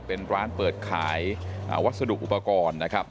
เป็นร้านเปิดขายวัสดุอุปกรณ์นะครับ